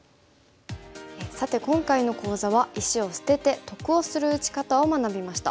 さて今回の講座は石を捨てて得をする打ち方を学びました。